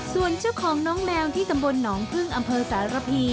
ส่วนเจ้าของน้องแมวที่ตำบลหนองพึ่งอำเภอสารพี